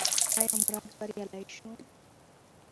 ایا مراد بریالی شو؟